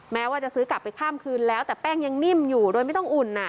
แม้ว่าจะซื้อกลับไปข้ามคืนแล้วแต่แป้งยังนิ่มอยู่โดยไม่ต้องอุ่น